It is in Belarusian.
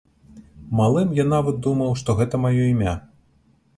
Малым я нават думаў, што гэта маё імя.